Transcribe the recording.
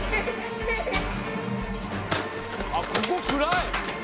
あっここくらい。